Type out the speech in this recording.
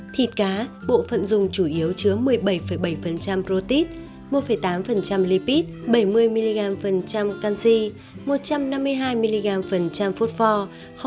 thịt cá bộ phận dùng chủ yếu chứa một mươi bảy bảy protein một tám lipid bảy mươi mg canxi một trăm năm mươi hai mg phốt pho